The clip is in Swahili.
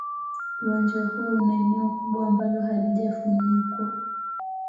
Uwanja huo una eneo kubwa ambalo halijafunikwa.